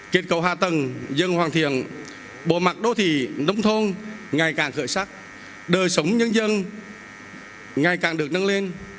kết cấu hạ tầng dân hoàn thiện bộ mặt đô thị nông thôn ngày càng khởi sắc đời sống nhân dân ngày càng được nâng lên